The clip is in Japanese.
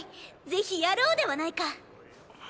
ぜひやろうではないか！